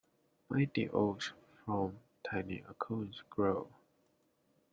Mighty oaks from tiny acorns grow.